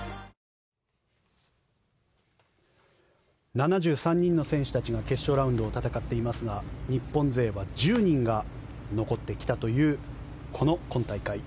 ７３人の選手たちが決勝ラウンドを戦っていますが日本勢は１０人が残ってきたという今大会。